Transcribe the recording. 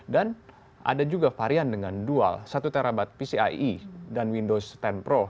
dan ada juga varian dengan dual satu tb pcie dan windows sepuluh pro